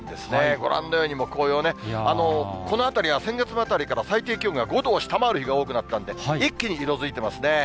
ご覧のように、もう紅葉ね、この辺りは先月のあたりから最低気温が５度を下回る日が多くなったんで、一気に色づいてますね。